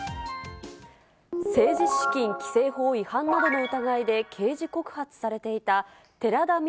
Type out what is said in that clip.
政治資金規正法違反などの疑いで刑事告発されていた寺田稔